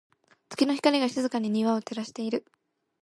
月の光が、静かに庭を照らしている。